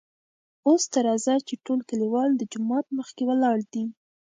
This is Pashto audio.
اوس ته راځه چې ټول کليوال دجومات مخکې ولاړ دي .